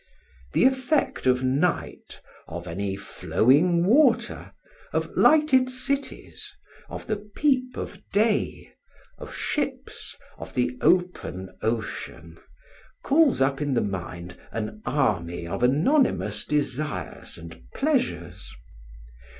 The effect of night, of any flowing water, of lighted cities, of the peep of day, of ships, of the open ocean, calls up in the mind an army of anonymous desires and pleasures.